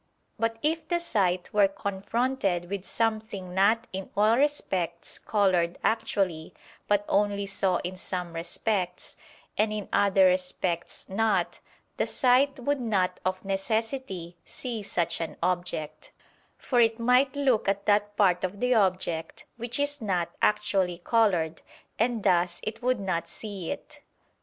But if the sight were confronted with something not in all respects colored actually, but only so in some respects, and in other respects not, the sight would not of necessity see such an object: for it might look at that part of the object which is not actually colored, and thus it would not see it.